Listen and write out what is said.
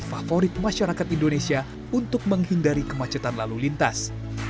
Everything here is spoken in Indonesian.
favorit masyarakat indonesia untuk menghindari kemacetan lalu lintas